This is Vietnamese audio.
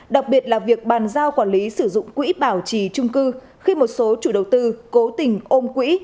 đặc biệt là việc bàn giao quản lý sử dụng quỹ bảo trì trung cư khi một số chủ đầu tư cố tình ôm quỹ